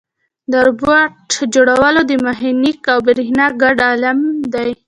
د روبوټ جوړول د میخانیک او برېښنا ګډ علم دی.